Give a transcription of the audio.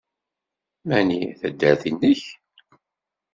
Mani taddart-nnek?